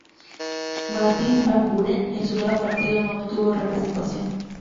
Martin Van Buren, en su nuevo partido, no obtuvo representación.